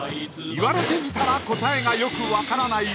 言われてみたら答えがよく分からない